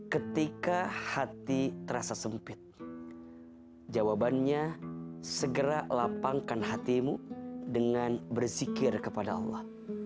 ketika hati terasa sempit jawabannya segera lapangkan hatimu dengan berzikir kepada allah